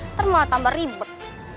ntar mau tambah ribet